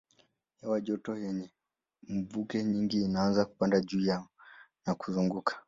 Hewa joto yenye mvuke nyingi inaanza kupanda juu na kuzunguka.